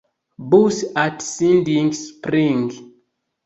Bus at Siding Spring.